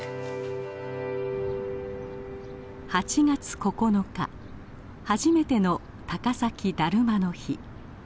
８月９日初めての高崎だるまの日。